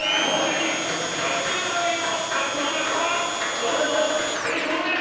逃走成功です。